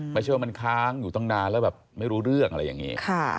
ไม่ใช่ว่ามันค้างอยู่ตั้งนานแล้วแบบไม่รู้เรื่องอะไรอย่างนี้